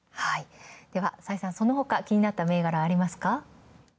では崔さんそのほか気になった銘柄はありますか？